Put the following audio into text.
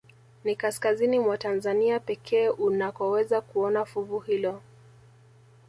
Ni kaskazini mwa Tanzania pekee unakoweza kuona fuvu hilo